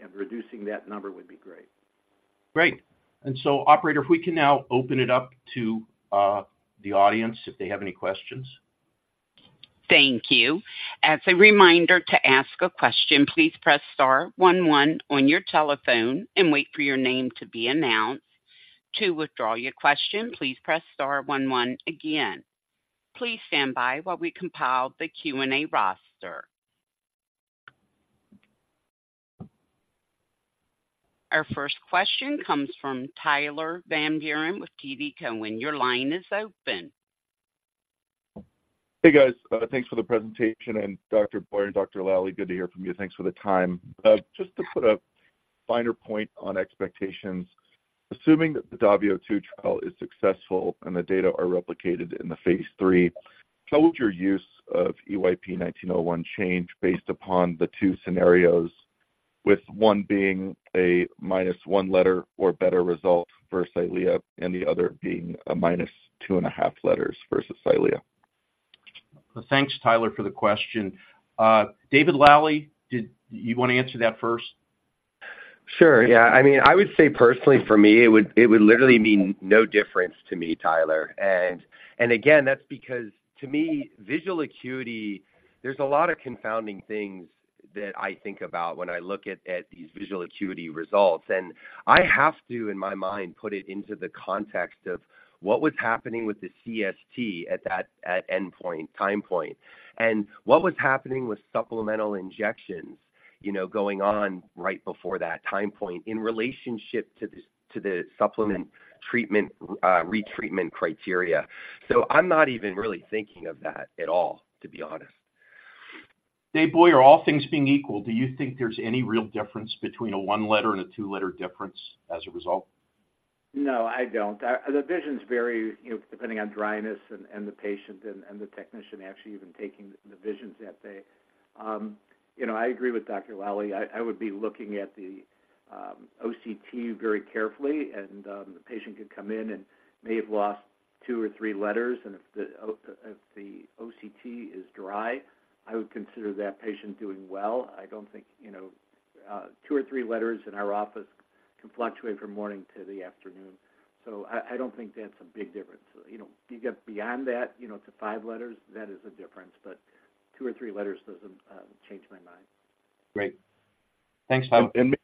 and reducing that number would be great. Great. And so Operator, if we can now open it up to the audience, if they have any questions. Thank you. As a reminder to ask a question, please press star one one on your telephone and wait for your name to be announced. To withdraw your question, please press star one one again. Please stand by while we compile the Q&A roster. Our first question comes from Tyler Van Buren with TD Cowen. Your line is open. Hey, guys. Thanks for the presentation, and Dr. Boyer and Dr. Lally, good to hear from you. Thanks for the time. Just to put a finer point on expectations, assuming that the DAVIO 2 trial is successful and the data are replicated in the phase III, how would your use of EYP-1901 change based upon the two scenarios, with one being a -1 letter or better result versus Eylea, and the other being a minus 2.5 letters versus Eylea? Thanks, Tyler, for the question. David Lally, did you want to answer that first? Sure. Yeah. I mean, I would say personally, for me, it would literally mean no difference to me, Tyler. And again, that's because to me, visual acuity, there's a lot of confounding things that I think about when I look at these visual acuity results. And I have to, in my mind, put it into the context of what was happening with the CST at that endpoint time point, and what was happening with supplemental injections, you know, going on right before that time point in relationship to the supplement treatment retreatment criteria. So I'm not even really thinking of that at all, to be honest. David Boyer, all things being equal, do you think there's any real difference between a one letter and a two-letter difference as a result? No, I don't. The visions vary, you know, depending on dryness and the patient and the technician actually even taking the visions that day. You know, I agree with Dr. Lally. I would be looking at the OCT very carefully, and the patient could come in and may have lost two or three letters, and if the OCT is dry, I would consider that patient doing well. I don't think, you know, two or three letters in our office can fluctuate from morning to the afternoon. So I don't think that's a big difference. You know, if you get beyond that, you know, to five letters, that is a difference, but two or three letters doesn't change my mind. Great. Thanks, Tyler. And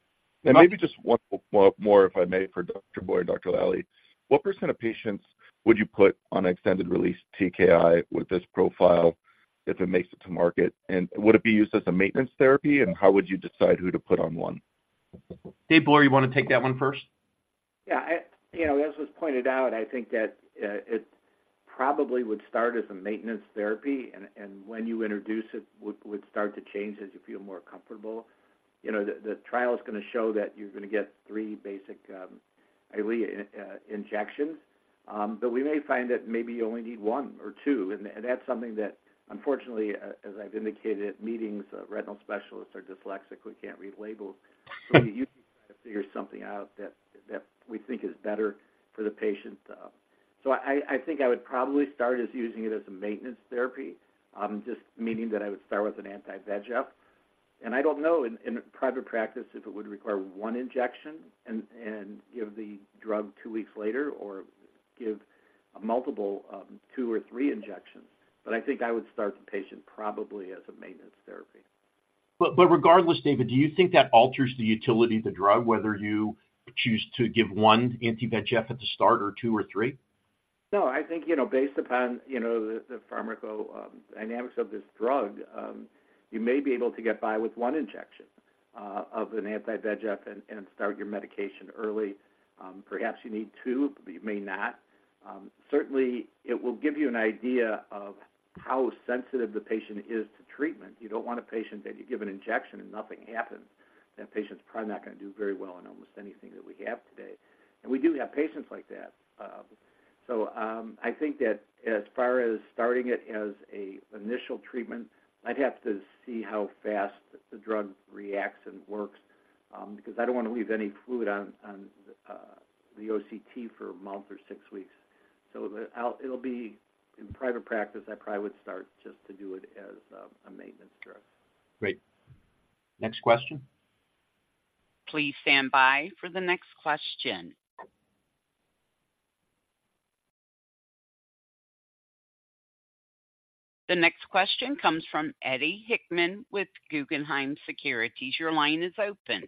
maybe just one more, if I may, for Dr. Boyer and Dr. Lally. What percent of patients would you put on extended-release TKI with this profile if it makes it to market? And would it be used as a maintenance therapy, and how would you decide who to put on one? David Boyer, you want to take that one first? Yeah, you know, as was pointed out, I think that it probably would start as a maintenance therapy, and when you introduce it, would start to change as you feel more comfortable. You know, the trial is going to show that you're going to get three basic Eylea injections, but we may find that maybe you only need one or two. And that's something that, unfortunately, as I've indicated at meetings, retinal specialists are dyslexic, we can't read labels. So you try to figure something out that we think is better for the patient. So I think I would probably start as using it as a maintenance therapy, just meaning that I would start with an anti-VEGF. I don't know, in private practice, if it would require one injection and give the drug two weeks later, or give a multiple, two or three injections. But I think I would start the patient probably as a maintenance therapy. But, regardless, David, do you think that alters the utility of the drug, whether you choose to give one Anti-VEGF at the start or two or three? No, I think, you know, based upon, you know, the pharmacodynamics of this drug, you may be able to get by with 1 injection of an Anti-VEGF and start your medication early. Perhaps you need two, but you may not. Certainly, it will give you an idea of how sensitive the patient is to treatment. You don't want a patient that you give an injection and nothing happens. That patient's probably not going to do very well on almost anything that we have today. And we do have patients like that. So, I think that as far as starting it as an initial treatment, I'd have to see how fast the drug reacts and works, because I don't want to leave any fluid on the OCT for a month or six weeks. It'll be, in private practice, I probably would start just to do it as a maintenance drug. Great. Next question? Please stand by for the next question. The next question comes from Eddie Hickman with Guggenheim Securities. Your line is open.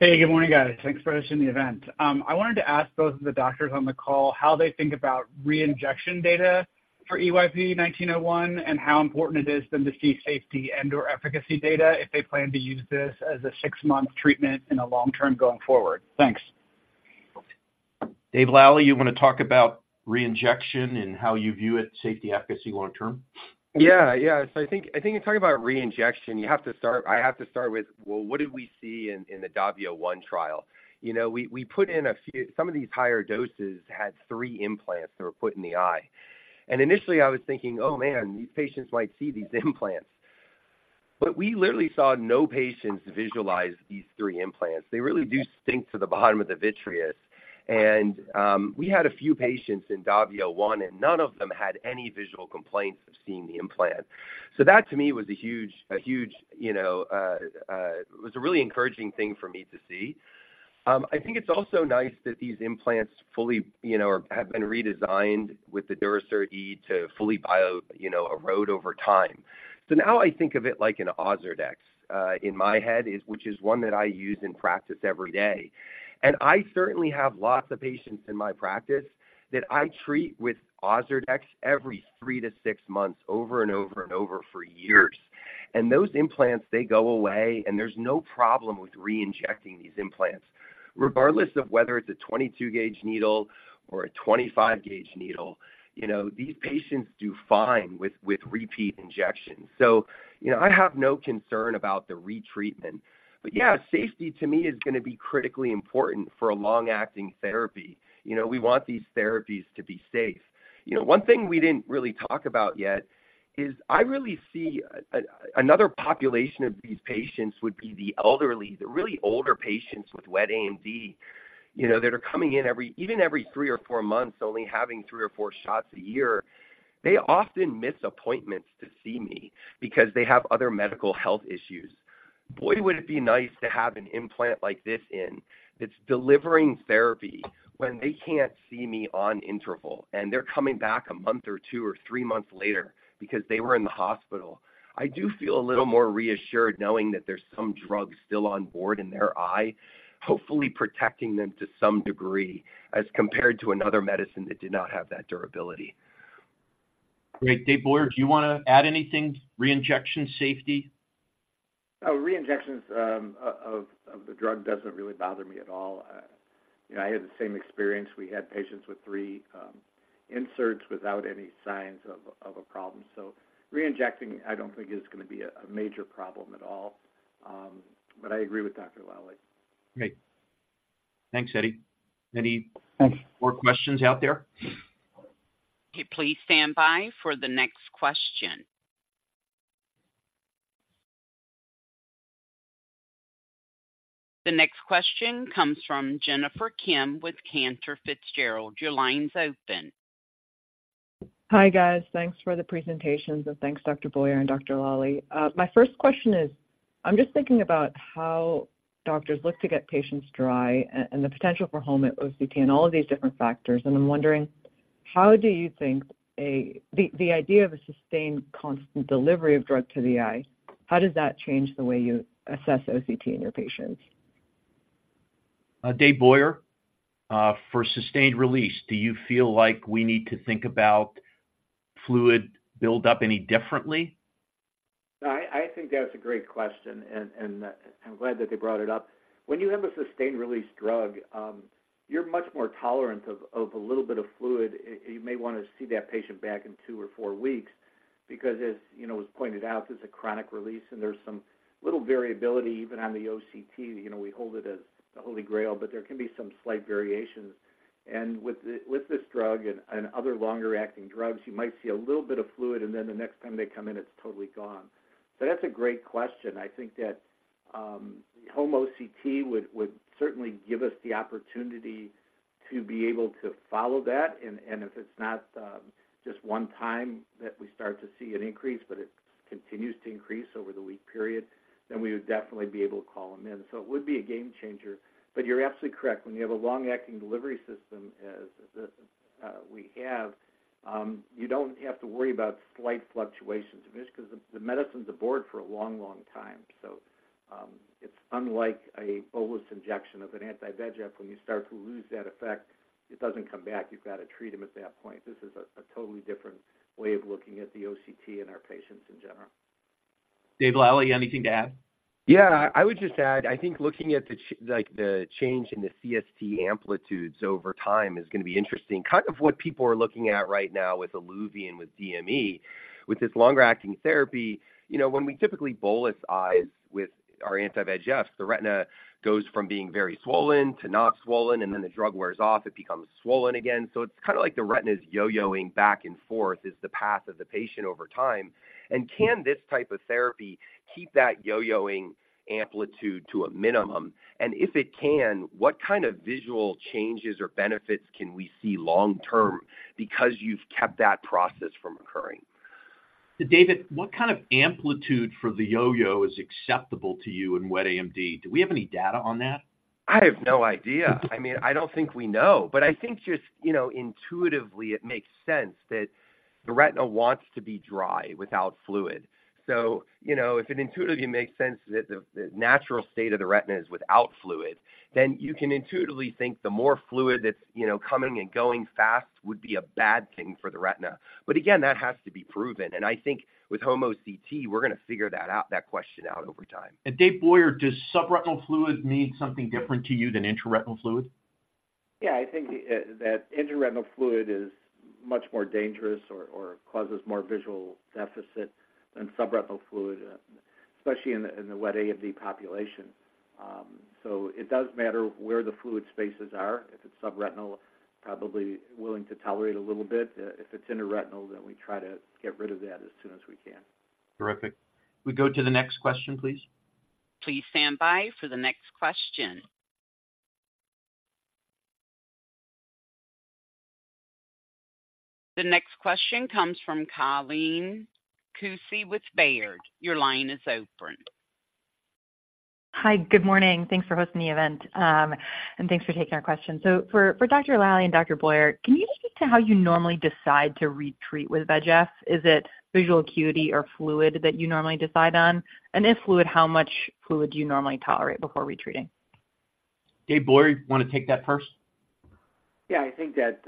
Hey, good morning, guys. Thanks for hosting the event. I wanted to ask both of the doctors on the call how they think about reinjection data for EYP-1901 and how important it is than to see safety and/or efficacy data if they plan to use this as a six-month treatment in the long term going forward? Thanks.... Dave Lally, you want to talk about reinjection and how you view it, safety, efficacy, long term? Yeah, yeah. So I think in talking about reinjection, you have to start. I have to start with, well, what did we see in the DAVIO 1 trial? You know, we put in a few. Some of these higher doses had three implants that were put in the eye. And initially I was thinking: Oh, man, these patients might see these implants. But we literally saw no patients visualize these three implants. They really do sink to the bottom of the vitreous. And we had a few patients in DAVIO 1, and none of them had any visual complaints of seeing the implant. So that to me was a huge, you know, it was a really encouraging thing for me to see. I think it's also nice that these implants fully, you know, or have been redesigned with the Durasert E™ to fully bio, you know, erode over time. So now I think of it like an Ozurdex in my head, which is one that I use in practice every day. And I certainly have lots of patients in my practice that I treat with Ozurdex every three to six months, over and over and over for years. And those implants, they go away, and there's no problem with reinjecting these implants. Regardless of whether it's a 22-gauge needle or a 25-gauge needle, you know, these patients do fine with repeat injections. So, you know, I have no concern about the retreatment. But yeah, safety to me is going to be critically important for a long-acting therapy. You know, we want these therapies to be safe. You know, one thing we didn't really talk about yet is I really see another population of these patients would be the elderly, the really older patients with wet AMD, you know, that are coming in even every three or four months, only having three or four shots a year. They often miss appointments to see me because they have other medical health issues. Boy, would it be nice to have an implant like this in, that's delivering therapy when they can't see me on interval, and they're coming back a month or two or three months later because they were in the hospital. I do feel a little more reassured knowing that there's some drug still on board in their eye, hopefully protecting them to some degree as compared to another medicine that did not have that durability. Great. David Boyer, do you want to add anything, reinjection safety? Reinjections of the drug doesn't really bother me at all. You know, I had the same experience. We had patients with three inserts without any signs of a problem. So reinjecting, I don't think is going to be a major problem at all. But I agree with Dr. Lally. Great. Thanks, Eddie. Any- Thanks. More questions out there? Okay, please stand by for the next question. The next question comes from Jennifer Kim with Cantor Fitzgerald. Your line's open. Hi, guys. Thanks for the presentations, and thanks, Dr. Boyer and Dr. Lally. My first question is, I'm just thinking about how doctors look to get patients dry and the potential for Home OCT and all of these different factors. And I'm wondering, how do you think the idea of a sustained constant delivery of drug to the eye changes the way you assess OCT in your patients? Dave Boyer, for sustained release, do you feel like we need to think about fluid buildup any differently? I think that's a great question, and I'm glad that they brought it up. When you have a sustained release drug, you're much more tolerant of a little bit of fluid. You may want to see that patient back in two or four weeks because, as you know, it was pointed out, this is a chronic release, and there's some little variability even on the OCT. You know, we hold it as the holy grail, but there can be some slight variations. And with this drug and other longer-acting drugs, you might see a little bit of fluid, and then the next time they come in, it's totally gone. So that's a great question. I think that Home OCT would certainly give us the opportunity to be able to follow that, and if it's not just one time that we start to see an increase, but it continues to increase over the week period, then we would definitely be able to call them in. So it would be a game changer. But you're absolutely correct. When you have a long-acting delivery system, as we have, you don't have to worry about slight fluctuations, because the medicine's aboard for a long, long time. So it's unlike a bolus injection of an anti-VEGF. When you start to lose that effect, it doesn't come back. You've got to treat them at that point. This is a totally different way of looking at the OCT in our patients in general. Dave Lally, you have anything to add? Yeah, I would just add, I think looking at the—like the change in the CST amplitudes over time is going to be interesting, kind of what people are looking at right now with Iluvien, with DME. With this longer-acting therapy, you know, when we typically bolus eyes with our anti-VEGF, the retina goes from being very swollen to not swollen, and then the drug wears off, it becomes swollen again. So it's like the retina is yo-yoing back and forth, is the path of the patient over time. And can this type of therapy keep that yo-yoing amplitude to a minimum? And if it can, what kind of visual changes or benefits can we see long term because you've kept that process from occurring? David, what kind of amplitude for the yo-yo is acceptable to you in wet AMD? Do we have any data on that? I have no idea. I mean, I don't think we know, but I think just, you know, intuitively, it makes sense that the retina wants to be dry without fluid. So you know, if it intuitively makes sense that the, the natural state of the retina is without fluid, then you can intuitively think the more fluid that's, you know, coming and going fast would be a bad thing for the retina. But again, that has to be proven. And I think with Home OCT, we're going to figure that out, that question out over time. Dave Boyer, does subretinal fluid mean something different to you than intraretinal fluid?... Yeah, I think that intraretinal fluid is much more dangerous or causes more visual deficit than subretinal fluid, especially in the wet AMD population. So it does matter where the fluid spaces are. If it's subretinal, probably willing to tolerate a little bit. If it's intraretinal, then we try to get rid of that as soon as we can. Terrific. Can we go to the next question, please? Please stand by for the next question. The next question comes from Colleen Kusy with Baird. Your line is open. Hi, good morning. Thanks for hosting the event, and thanks for taking our question. So for Dr. Lally and Dr. Boyer, can you speak to how you normally decide to retreat with Vabysmo? Is it visual acuity or fluid that you normally decide on? And if fluid, how much fluid do you normally tolerate before retreating? David Boyer, want to take that first? Yeah, I think that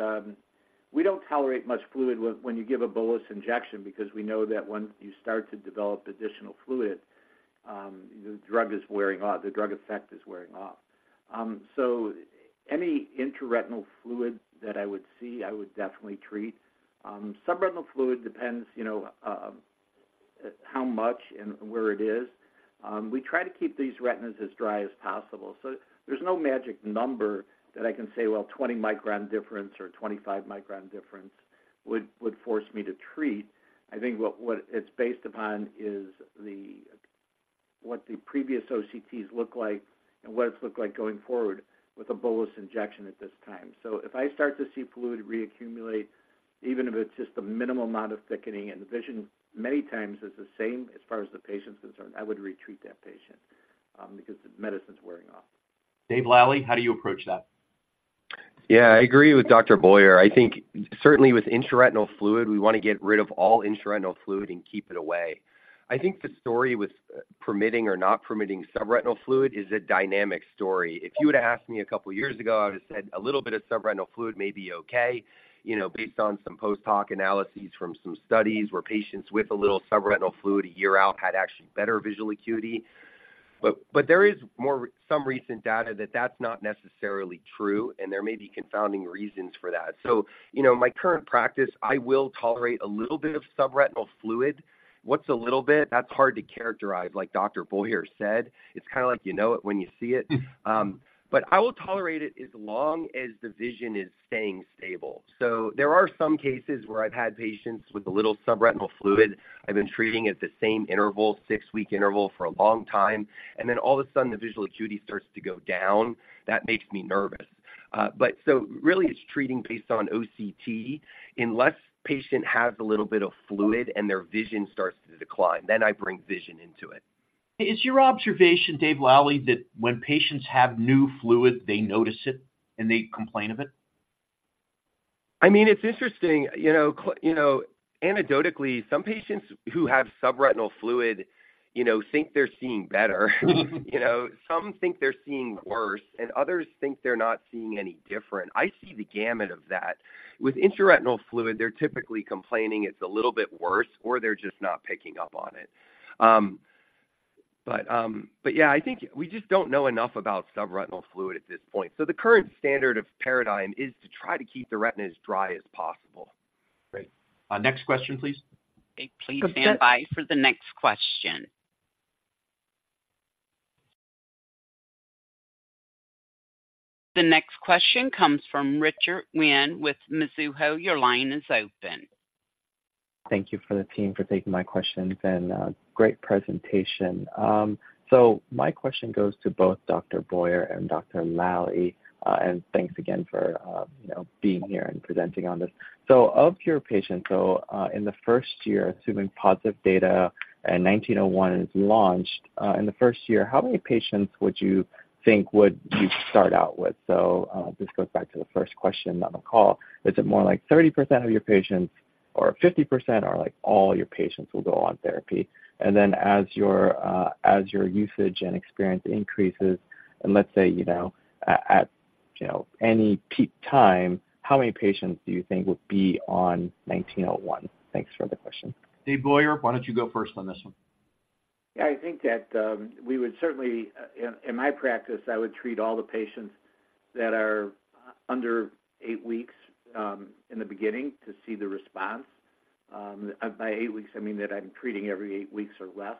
we don't tolerate much fluid when you give a bolus injection, because we know that once you start to develop additional fluid, the drug is wearing off, the drug effect is wearing off. So any intraretinal fluid that I would see, I would definitely treat. Subretinal fluid depends, you know, how much and where it is. We try to keep these retinas as dry as possible, so there's no magic number that I can say, well, 20 µm difference or 25 µm difference would force me to treat. I think what it's based upon is what the previous OCTs look like and what it's looked like going forward with a bolus injection at this time. If I start to see fluid reaccumulate, even if it's just a minimal amount of thickening, and the vision many times is the same as far as the patient's concerned, I would retreat that patient, because the medicine's wearing off. Dave Lally, how do you approach that? Yeah, I agree with Dr. Boyer. I think certainly with intraretinal fluid, we want to get rid of all intraretinal fluid and keep it away. I think the story with permitting or not permitting subretinal fluid is a dynamic story. If you were to ask me a couple of years ago, I would have said a little bit of subretinal fluid may be okay, you know, based on some post hoc analyses from some studies, where patients with a little subretinal fluid a year out had actually better visual acuity. But, but there is more, some recent data that that's not necessarily true, and there may be confounding reasons for that. So, you know, my current practice, I will tolerate a little bit of subretinal fluid. What's a little bit? That's hard to characterize, like Dr. Boyer said. It's kind of like you know it when you see it. I will tolerate it as long as the vision is staying stable. There are some cases where I've had patients with a little subretinal fluid. I've been treating at the same interval, 6-week interval, for a long time, and then all of a sudden, the visual acuity starts to go down. That makes me nervous. So really it's treating based on OCT. Unless patient has a little bit of fluid and their vision starts to decline, then I bring vision into it. Is your observation, Dave Lally, that when patients have new fluid, they notice it and they complain of it? I mean, it's interesting, you know, you know, anecdotally, some patients who have subretinal fluid, you know, think they're seeing better. You know, some think they're seeing worse, and others think they're not seeing any different. I see the gamut of that. With intraretinal fluid, they're typically complaining it's a little bit worse or they're just not picking up on it. But yeah, I think we just don't know enough about subretinal fluid at this point. So the current standard of paradigm is to try to keep the retina as dry as possible. Great. Next question, please. Please stand by for the next question. The next question comes from Richard Wang with Mizuho. Your line is open. Thank you for the team for taking my questions, and, great presentation. So my question goes to both Dr. Boyer and Dr. Lally, and thanks again for, you know, being here and presenting on this. So of your patients, in the first year, assuming positive data and 1901 is launched, in the first year, how many patients would you think would you start out with? So, this goes back to the first question on the call. Is it more like 30% of your patients, or 50%, or like all your patients will go on therapy? And then as your, as your usage and experience increases, and let's say, you know, at, you know, any peak time, how many patients do you think would be on 1901? Thanks for the question. David Boyer, why don't you go first on this one? Yeah, I think that, we would certainly, in my practice, I would treat all the patients that are under eight weeks, in the beginning to see the response. By eight weeks, I mean, that I'm treating every eight weeks or less.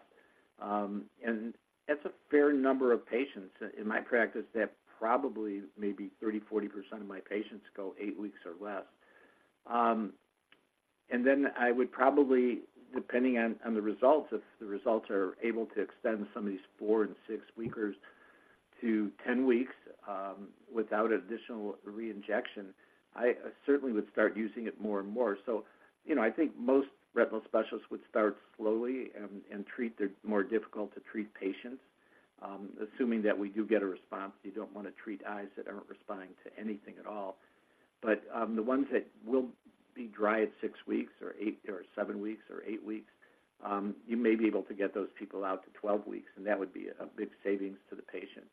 And that's a fair number of patients. In my practice, that probably may be 30-40% of my patients go eight weeks or less. And then I would probably, depending on the results, if the results are able to extend some of these four- and six-weekers to 10 weeks, without additional reinjection, I certainly would start using it more and more. So, you know, I think most retinal specialists would start slowly and treat the more difficult to treat patients, assuming that we do get a response. You don't want to treat eyes that aren't responding to anything at all. But, the ones that will be dry at six weeks or eight, or seven weeks or eight weeks, you may be able to get those people out to 12 weeks, and that would be a big savings to the patient.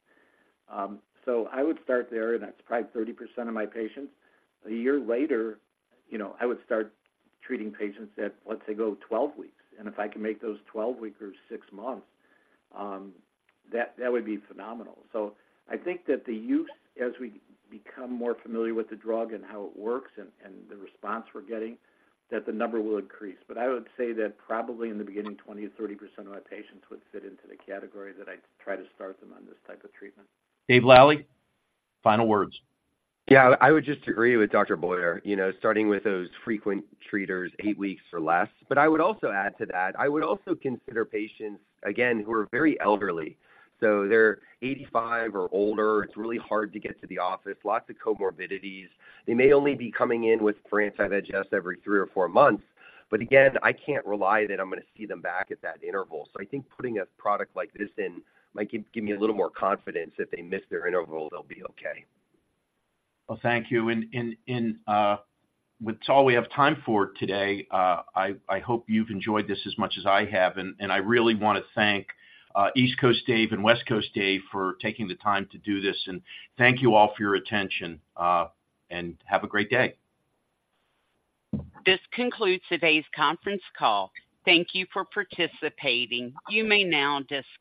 So I would start there, and that's probably 30% of my patients. A year later, you know, I would start treating patients at, let's say, go 12 weeks, and if I can make those 12 weekers six months, that would be phenomenal. So I think that the use, as we become more familiar with the drug and how it works and the response we're getting, that the number will increase. I would say that probably in the beginning, 20%-30% of my patients would fit into the category that I'd try to start them on this type of treatment. David Lally, final words. Yeah, I would just agree with Dr. Boyer, you know, starting with those frequent treaters, eight weeks or less. But I would also add to that, I would also consider patients, again, who are very elderly, so they're 85 or older. It's really hard to get to the office, lots of comorbidities. They may only be coming in with for anti-VEGF every or four months, but again, I can't rely that I'm going to see them back at that interval. So I think putting a product like this in might give, give me a little more confidence that if they miss their interval, they'll be okay. Well, thank you. And with all we have time for today, I hope you've enjoyed this as much as I have, and I really want to thank East Coast Dave and West Coast Dave for taking the time to do this, and thank you all for your attention, and have a great day. This concludes today's conference call. Thank you for participating. You may now disconnect.